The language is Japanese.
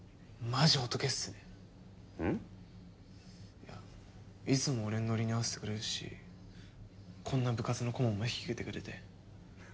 いやいつも俺のノリに合わせてくれるしこんな部活の顧問も引き受けてくれて。